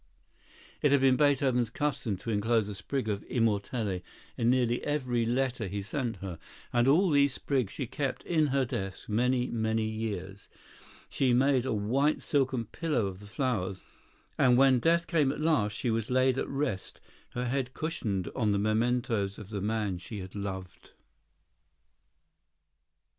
It had been Beethoven's custom to enclose a sprig of immortelle in nearly every letter he sent her, and all these sprigs she kept in her desk many, many years. She made a white silken pillow of the flowers; and, when death came at last, she was laid at rest, her head cushioned on the mementos of the man she had loved.